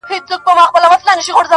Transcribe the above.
پرې کرم د اِلهي دی,